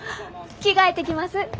着替えてきます。